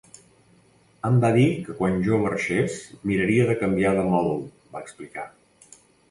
Em va dir que quan jo marxés miraria de canviar de mòdul, va explicar.